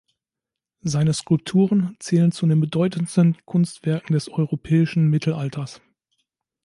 Seine Skulpturen zählen zu den bedeutendsten Kunstwerken des europäischen Mittelalters.